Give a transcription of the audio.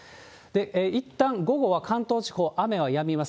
いったん午後は関東地方、雨はやみます。